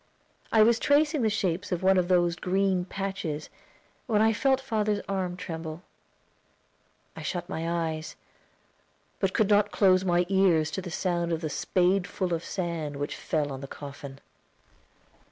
I was tracing the shape of one of those green patches when I felt father's arm tremble. I shut my eyes, but could not close my ears to the sound of the spadeful of sand which fell on the coffin.